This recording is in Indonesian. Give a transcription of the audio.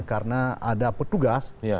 karena ada petugas